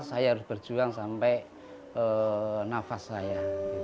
saya harus berjuang sampai nafas saya